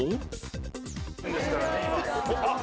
あっ！